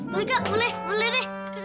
boleh kak boleh boleh nek